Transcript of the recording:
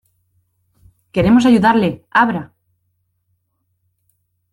¡ queremos ayudarle! ¡ abra !